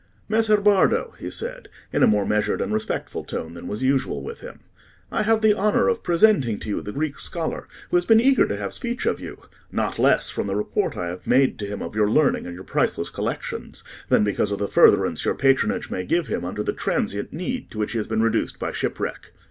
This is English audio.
"Messer Bardo," he said, in a more measured and respectful tone than was usual with him, "I have the honour of presenting to you the Greek scholar, who has been eager to have speech of you, not less from the report I have made to him of your learning and your priceless collections, than because of the furtherance your patronage may give him under the transient need to which he has been reduced by shipwreck.